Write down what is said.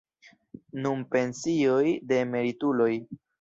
Nun pensioj de emerituloj.